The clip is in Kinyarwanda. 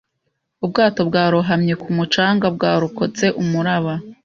Ubwato bwarohamye ku mucanga bwarokotse umuraba